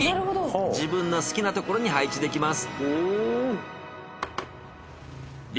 自分の好きなところに配置できます。